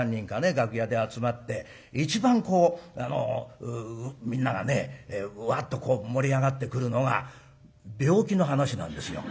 楽屋で集まって一番こうみんながねワッと盛り上がってくるのが病気の話なんですよ。